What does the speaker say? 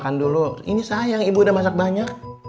kamu gak suka ya